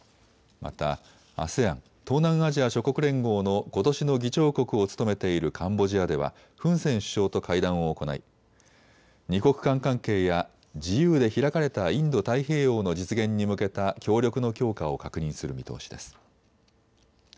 またＡＳＥＡＮ・東南アジア諸国連合のことしの議長国を務めているカンボジアではフン・セン首相と会談を行い２国間関係や自由で開かれたインド太平洋の実現に向けた協力の強化を確認する見通しです。